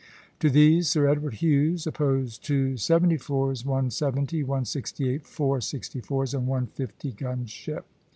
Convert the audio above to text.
To these Sir Edward Hughes opposed two seventy fours, one seventy, one sixty eight, four sixty fours, and one fifty gun ship.